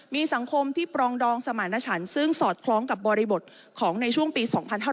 มีสังคมที่ปรองดองสมารณชันซึ่งสอดคล้องกับบริบทของในช่วงปี๒๕๕๙